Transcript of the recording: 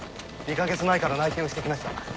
２か月前から内偵をして来ました。